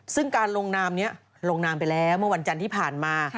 ซึ่งการลงนามนี้ลงนามไปแล้วเมื่อวันจันทร์ที่ผ่านมา